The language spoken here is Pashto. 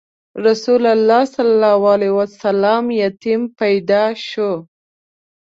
رسول الله ﷺ یتیم پیدا شو.